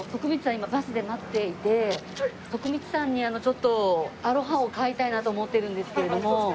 今バスで待っていて徳光さんにちょっとアロハを買いたいなと思ってるんですけれども。